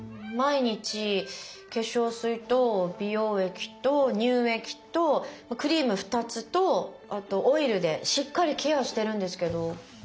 毎日化粧水と美容液と乳液とクリーム２つとあとオイルでしっかりケアしてるんですけど。